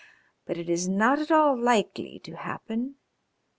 But it is not at all likely to happen.